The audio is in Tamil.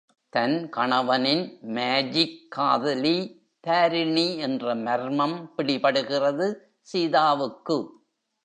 தன் கணவனின் மாஜிக்காதலி தாரிணி என்ற மர்மம் பிடிபடுகிறது சீதாவுக்கு.